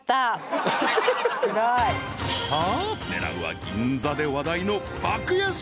［さあ狙うは銀座で話題の爆安パン］